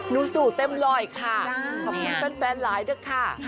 นู้สู่เต็มรอยค่ะขอบคุณแฟนแฟนหลายด้วยค่ะค่ะ